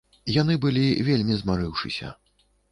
Яны былі вельмі змарыўшыся.